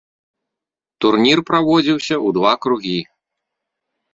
Турнір праводзіўся ў два кругі.